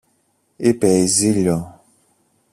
είπε η Ζήλιω.